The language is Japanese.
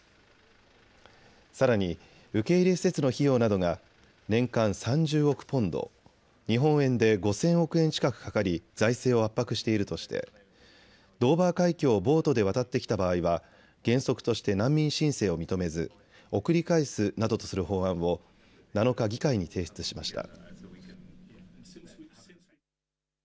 さらに受け入れ施設の費用などが年間３０億ポンド、日本円で５０００億円近くかかり財政を圧迫しているとしてドーバー海峡をボートで渡ってきた場合は原則として難民申請を認めず送り返すなどとする法案を７日、議会に提出しました。